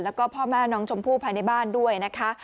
แล้วก็พ่อแม่น้องชมพู่ภายในบ้านด้วยนะคะ